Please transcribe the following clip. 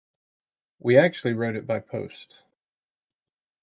We actually wrote it by post.